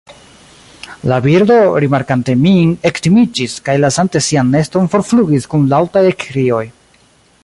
La birdo, rimarkante min, ektimiĝis, kaj lasante sian neston forflugis kun laŭtaj ekkrioj.